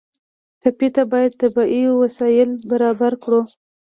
ټپي ته باید طبي وسایل برابر کړو.